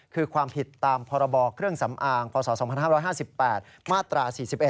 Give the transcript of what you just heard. คือความผิดตามพศ๒๕๕๘มาตรา๔๑